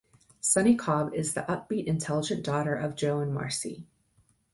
Sunny Cobb is the upbeat, intelligent daughter of Joe and Marcy.